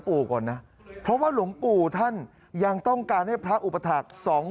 ก่อนนะเพราะว่าหลวงปู่ท่านยังต้องการให้พระอุปถาค